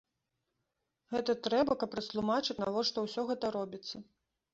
Гэта трэба, каб растлумачыць, навошта ўсё гэта робіцца.